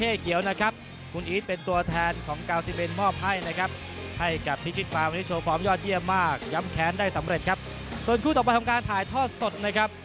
ส่วนคู่ต่อไปทำการถ่ายทอดสดนะครับ